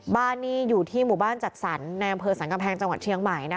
บ้านนี้อยู่ที่หมู่บ้านจัดสรรในอำเภอสรรกำแพงจังหวัดเชียงใหม่